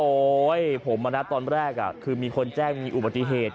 ผมตอนแรกคือมีคนแจ้งมีอุบัติเหตุ